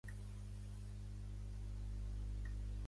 Lewis, Kazan i Sanford Meisner en van ser els principals professors.